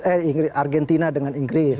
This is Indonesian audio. eh argentina dengan inggris